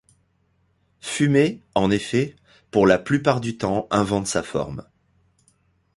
Fumet, en effet, pour la plupart du temps, invente sa forme.